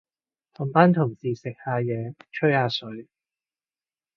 同班同事食下嘢，吹下水